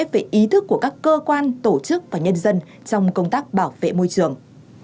về ý thức của các cơ quan tổ chức và nhân dân trong công tác bảo vệ môi trường